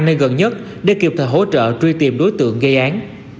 nơi gần nhất để kiệp thể hỗ trợ truy tìm đối tượng gây án